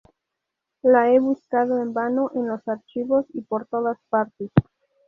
La he buscado en vano en los archivos y por todas partes.